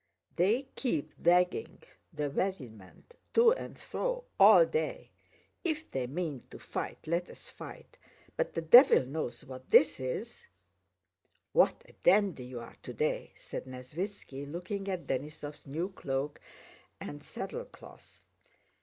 "They keep dwagging the wegiment to and fwo all day. If they mean to fight, let's fight. But the devil knows what this is." "What a dandy you are today!" said Nesvítski, looking at Denísov's new cloak and saddlecloth.